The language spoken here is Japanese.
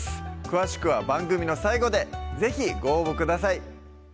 詳しくは番組の最後で是非ご応募ください